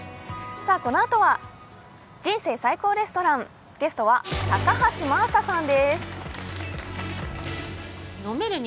このあとは「人生最高レストラン」ゲストは高橋真麻さんです。